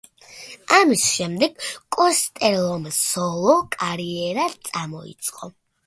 ამის შემდეგ კოსტელომ სოლო კარიერა წამოიწყო.